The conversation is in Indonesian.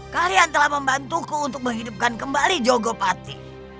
kalian telah membantuku untuk menghidupkan kembali jogopati